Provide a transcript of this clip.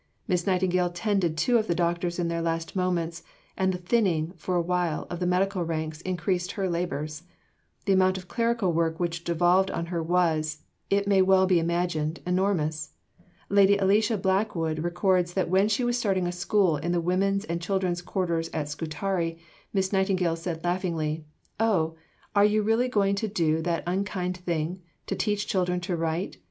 Miss Nightingale tended two of the doctors in their last moments, and the thinning, for a while, of the medical ranks increased her labours. The amount of clerical work which devolved on her was, it may be well imagined, enormous. Lady Alicia Blackwood records that when she was starting a school in the women's and children's quarters at Scutari, Miss Nightingale said laughingly, "Oh, are you really going to do that unkind thing to teach children to write?